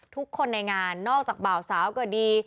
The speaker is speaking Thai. ทุกคนในงานนอกจากบ่าวสาวก็ดี